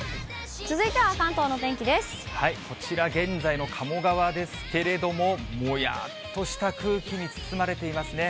こちら、現在の鴨川ですけれども、もやっとした空気に包まれていますね。